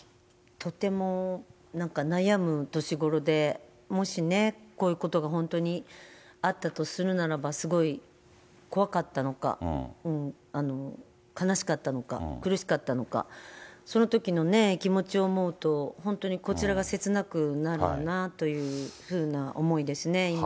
とても、なんか悩む年ごろで、もしね、こういうことが本当にあったとするならば、すごい怖かったのか、悲しかったのか、苦しかったのか、そのときの気持ちを思うと、本当にこちらが切なくなるなというふうな思いですね、今。